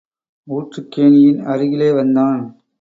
ஊற்றுக்கேணியின் அருகிலே வந்தான்.